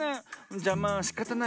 じゃまあしかたないわ。